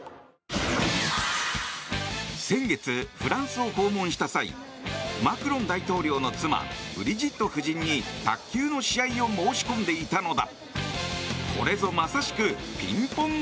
先月、フランスを訪問した際マクロン大統領の妻ブリジット夫人に卓球の試合を申し込んでいたのだ。